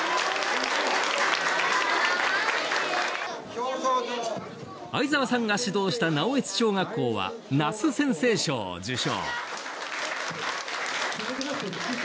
「表彰状」相澤さんが指導した直江津小学校はナス先生賞を受賞。